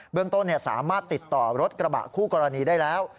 เรื่องต้นสามารถติดต่อรถกระบะคู่กรณีได้แล้ว